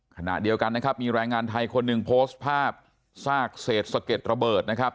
ขณะเดียวกันนะครับมีแรงงานไทยคนหนึ่งโพสต์ภาพซากเศษสะเก็ดระเบิดนะครับ